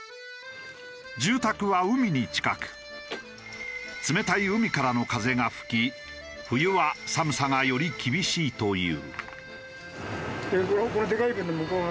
住宅は海に近く冷たい海からの風が吹き冬は寒さがより厳しいという。